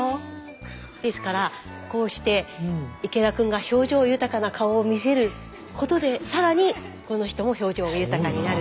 ですからこうして池田くんが表情豊かな顔を見せることで更にこの人も表情豊かになる。